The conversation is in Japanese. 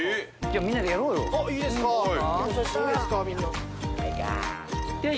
みんなでやろうよ。